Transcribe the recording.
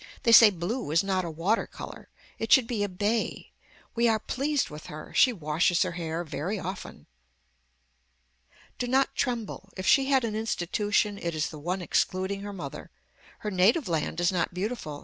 They say blue is not a water color. It should be a bay. We are pleased with her. She washes her hair very often. Do not tremble. If she had an institution it is the one excluding her mother. Her native land is not beautiful.